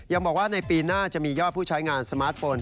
ยังบอกว่าในปีหน้าจะมียอดผู้ใช้งานสมาร์ทโฟน